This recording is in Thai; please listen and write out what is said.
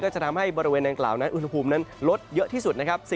จะทำให้บริเวณดังกล่าวนั้นอุณหภูมินั้นลดเยอะที่สุดนะครับ